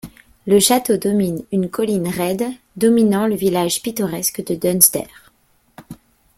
Le château domine une colline raide dominant le village pittoresque de Dunster.